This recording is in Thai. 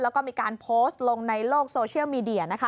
แล้วก็มีการโพสต์ลงในโลกโซเชียลมีเดียนะคะ